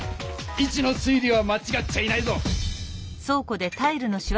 イチのすい理はまちがっちゃいないぞ！